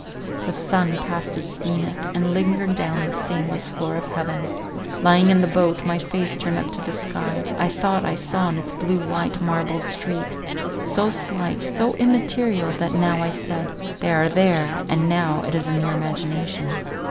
— The sun passed its zenith, and lingered down the stainless floor of heaven. Lying in the boat, my face turned up to the sky, I thought I saw on its blue white, marbled streaks, so slight, so immaterial, that now I said— They are there—and now, It is a mere imagination.